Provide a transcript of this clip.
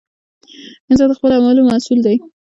انسان د خپلو اعمالو مسؤول دی!